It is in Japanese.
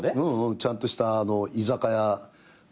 ううん。ちゃんとした居酒屋。